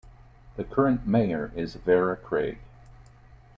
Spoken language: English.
The current mayor is Vera Craig.